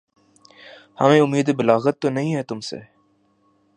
ہمیں اُمیدِ بلاغت تو نہیں ہے تُم سے